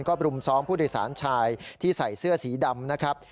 ก็บรุมซ้อมผู้โดยสารชายที่ใส่เสื้อสีดำนะครับ